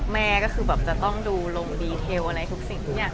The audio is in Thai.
แม่จะต้องดูลงรายลักษณะทุกอย่าง